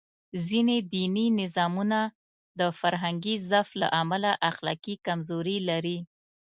ځینې دیني نظامونه د فرهنګي ضعف له امله اخلاقي کمزوري لري.